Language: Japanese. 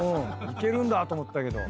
いけるんだと思ったけど。